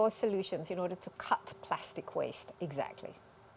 apa solusi anda untuk memotong plastik yang dilengkapi